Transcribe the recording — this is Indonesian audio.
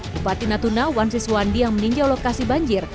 bupati natuna wansis wandi yang meninjau lokasi banjir